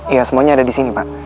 iya semuanya ada disini pak